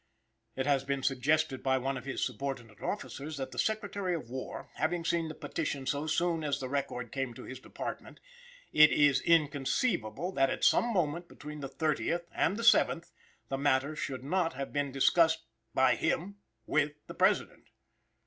It has been suggested by one of his subordinate officers that the Secretary of War having seen the petition as soon as the record came to his department, it is inconceivable that, at some moment between the 30th and the 7th, the matter should not have been discussed by him with the President.